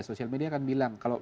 social media akan bilang